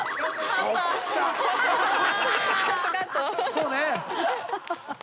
そうね。